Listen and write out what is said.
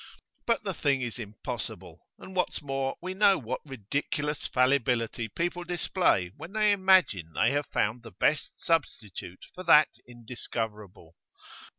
But the thing is impossible, and, what's more, we know what ridiculous fallibility people display when they imagine they have found the best substitute for that indiscoverable.